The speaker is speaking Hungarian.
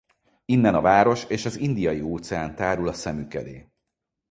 Innen a város és az Indiai-óceán tárul a szemük elé.